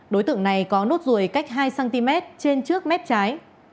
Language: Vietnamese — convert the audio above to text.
đối tượng này có nốt ruồi cách hai cm trên trước mép trái